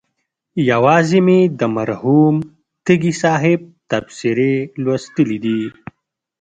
یوازې مې د مرحوم تږي صاحب تبصرې لوستلي دي.